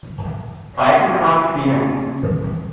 Breitengrad fehlen.